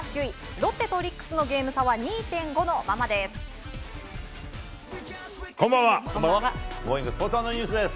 ロッテとオリックスのゲーム差は２．５のままです。